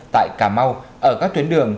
tại cà mau ở các tuyến đường